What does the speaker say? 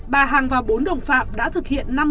bà hằng và bốn đồng phạm đã thực hiện